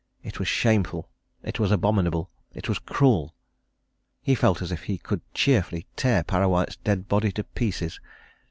it was shameful, it was abominable, it was cruel! He felt as if he could cheerfully tear Parrawhite's dead body to pieces.